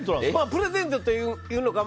プレゼントというのか。